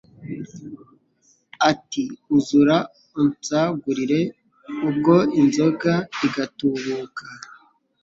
ati: Uzura unsagurire Ubwo inzoga igatubuka